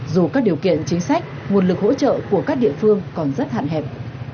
dù các điều kiện chính sách nguồn lực hỗ trợ của các địa phương còn rất hạn hẹp